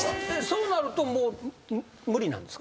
そうなるともう無理なんですか？